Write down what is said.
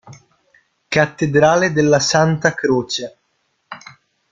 Cattedrale della Santa Croce